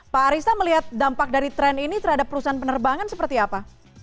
pak arista melihat dampak dari tren ini terhadap perusahaan penerbangan seperti apa